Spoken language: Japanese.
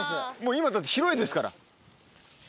今だって広いですから。